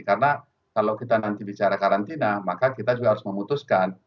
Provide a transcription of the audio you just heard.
karena kalau kita nanti bicara karantina maka kita juga harus memutuskan